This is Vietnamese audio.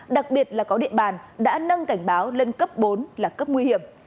đặc biệt là có địa bàn đã nâng cảnh báo lên cấp bốn là cấp nguy hiểm